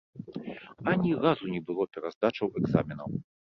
Ані разу не было пераздачаў экзаменаў.